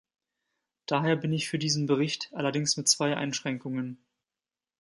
Daher bin ich für diesen Bericht, allerdings mit zwei Einschränkungen.